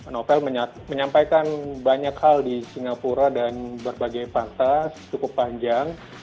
novel menyampaikan banyak hal di singapura dan berbagai fakta cukup panjang